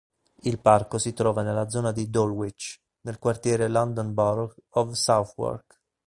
Il parco si trova nella zona di "Dulwich" nel quartiere London Borough of Southwark.